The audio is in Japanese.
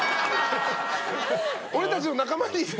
俺たちの仲間にって？